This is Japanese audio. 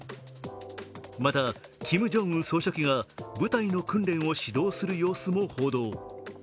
また、キム・ジョンウン総書記が部隊の訓練を指導する様子も報道。